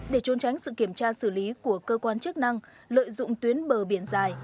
để trôn tránh sự kiểm tra xử lý của cơ quan chức năng lợi dụng tuyến bờ biển dài